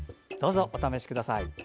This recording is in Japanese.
どうぞ、お試しください。